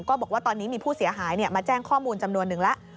ก็บอกว่าตอนนี้มีผู้เสียหายมาแจ้งข้อมูลจำนวนนึงแล้ว